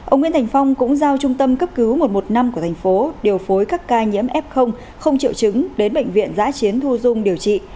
ông nguyễn thành phong cũng giao trung tâm cấp cứu một trăm một mươi năm của thành phố điều phối các ca nhiễm f không triệu chứng đến bệnh viện giã chiến thu dung điều trị